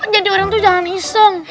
jadi orang tuh jangan iseng